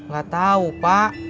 gak tau pak